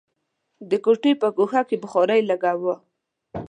د کوټې په ګوښه کې بخارۍ لګوو.